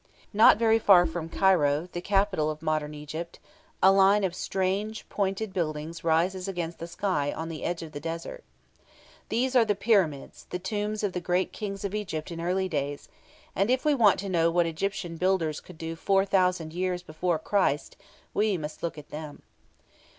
Not very far from Cairo, the modern capital of Egypt, a line of strange, pointed buildings rises against the sky on the edge of the desert. These are the Pyramids, the tombs of the great Kings of Egypt in early days, and if we want to know what Egyptian builders could do 4,000 years before Christ, we must look at them.